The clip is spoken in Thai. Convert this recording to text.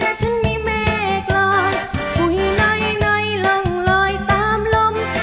แต่ฉันมีแม่กลอยปุ้ยหน่อยหน่อยล่องลอยตามลม